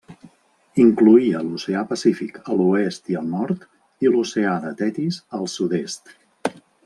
Incloïa l'oceà Pacífic a l'oest i al nord i l'oceà de Tetis al sud-est.